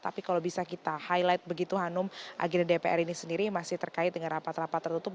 tapi kalau bisa kita highlight begitu hanum agenda dpr ini sendiri masih terkait dengan rapat rapat tertutup